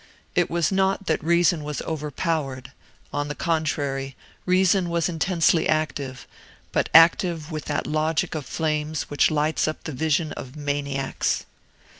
It was not that reason was overpowered; on the contrary, reason was intensely active, but active with that logic of flames which lights up the vision of maniacs.